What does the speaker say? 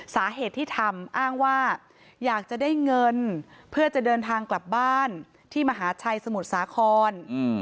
สาเหตุที่ทำอ้างว่าอยากจะได้เงินเพื่อจะเดินทางกลับบ้านที่มหาชัยสมุทรสาคร